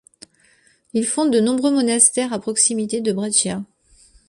Il fonde de nombreux monastères à proximité de Brescia.